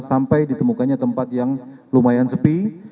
sampai ditemukannya tempat yang lumayan sepi